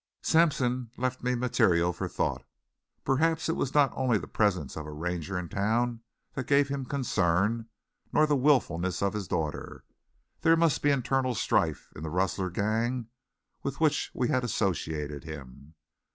Sampson left me material for thought. Perhaps it was not only the presence of a Ranger in town that gave him concern, nor the wilfulness of his daughter. There must be internal strife in the rustler gang with which we had associated him.